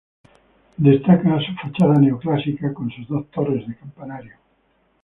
Destaca su fachada neoclásica con sus dos torres de campanario.